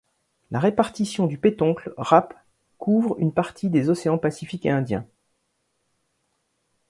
La répartition du pétoncle râpe couvre une partie des océans Pacifique et Indien.